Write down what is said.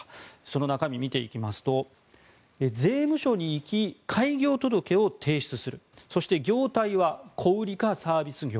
その中身を見ていきますと税務署に行き、開業届を提出するそして業態は小売かサービス業。